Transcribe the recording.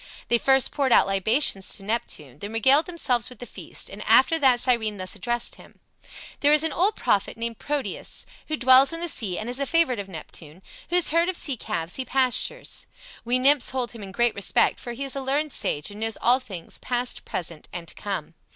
They first poured out libations to Neptune, then regaled themselves with the feast, and after that Cyrene thus addressed him: "There is an old prophet named Proteus, who dwells in the sea and is a favorite of Neptune, whose herd of sea calves he pastures. We nymphs hold him in great respect, for he is a learned sage and knows all things, past, present, and to come.